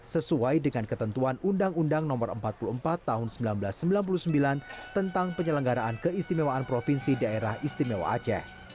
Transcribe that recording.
sesuai dengan ketentuan undang undang no empat puluh empat tahun seribu sembilan ratus sembilan puluh sembilan tentang penyelenggaraan keistimewaan provinsi daerah istimewa aceh